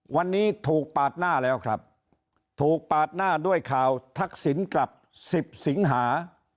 วันนี้ถูกปาดหน้าแล้วครับถูกปาดหน้าด้วยข่าวทักษิณกลับ๑๐สิงหา